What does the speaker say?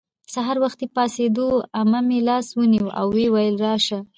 سهار وختي پاڅېدو. عمه مې لاس ونیو او ویې ویل:راشه